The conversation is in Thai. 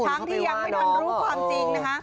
ทั้งที่ยังไม่ทันรู้ความจริงนะคะ